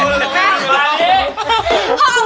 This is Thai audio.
มีอะไรอยู่